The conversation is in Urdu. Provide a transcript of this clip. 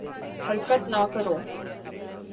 حرکت نہ کرو